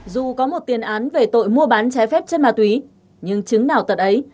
dù có một tiền án về tội mua bán trái phép chất ma túy nhưng chứng nào tật ấy